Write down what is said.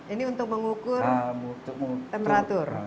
ini untuk mengukur temperatur kadar air